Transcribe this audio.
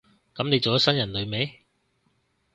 噉你做咗新人類未？